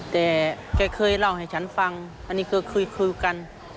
แต่แกเคยเล่าให้ฉันฟังอันนี้คือคุยกัน